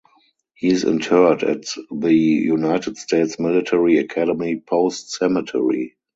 He is interred at the United States Military Academy Post Cemetery.